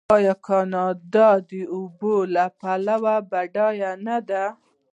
آیا کاناډا د اوبو له پلوه بډایه نه ده؟